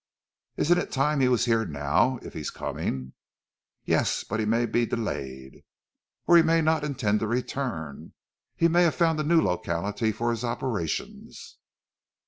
"Isn't it time he was here now, if he is coming?" "Yes! But he may be delayed." "Or he may not intend to return. He may have found a new locality for his operations."